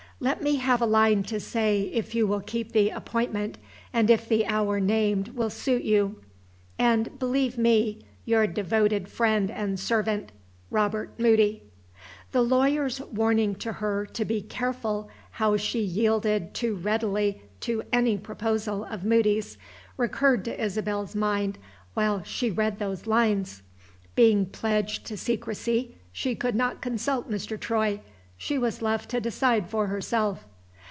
Let me have a line to say if you will keep the appointment, and if the hour named will suit you. And believe me your devoted friend and servant, "ROBERT MOODY." The lawyer's warning to her to be careful how she yielded too readily to any proposal of Moody's recurred to Isabel's mind while she read those lines. Being pledged to secrecy, she could not consult Mr. Troy she was left to decide for herself.